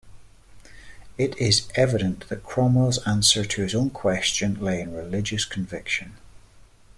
It is evident that Cromwell's answer to his own question lay in religious conviction.